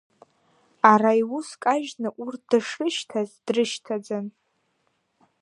Ара иус кажьны урҭ дышрышьҭаз дрышьҭаӡан.